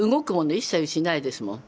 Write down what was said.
一切うちにないですもん。